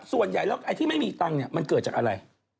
ส่วนใหญ่แล้วไอ้ที่ไม่มีตังค์เนี่ยมันเกิดจากอะไร